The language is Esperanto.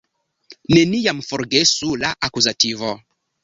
Neniam forgesu la akuzativo!